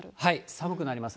寒くなります。